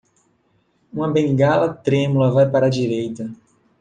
Uma bengala trêmula vai para a direita.